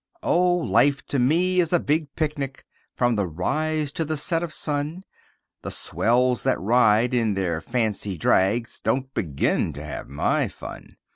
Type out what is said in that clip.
Oh, life to me is a big picnic, From the rise to the set of sun! The swells that ride in their fancy drags Don't begin to have my fun.